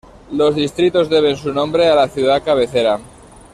Los distritos deben su nombre a la ciudad cabecera.